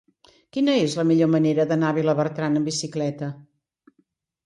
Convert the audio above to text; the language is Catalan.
Quina és la millor manera d'anar a Vilabertran amb bicicleta?